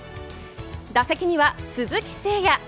打席には鈴木誠也。